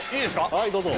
はいどうぞ。